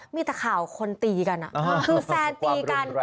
มีแต่ข่าวคนตีกันคือแฟนตีกัน